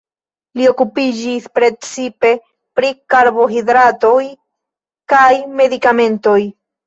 Li okupiĝis precipe pri karbonhidratoj kaj medikamentoj.